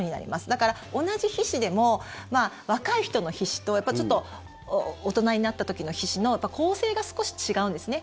だから同じ皮脂でも若い人の皮脂とちょっと大人になった時の皮脂の構成が少し違うんですね。